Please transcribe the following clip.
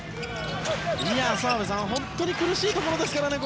澤部さん、ここ本当に苦しいところですからね。